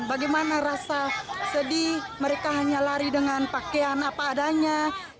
bagaimana rasa sedih mereka hanya lari dengan pakaian apa adanya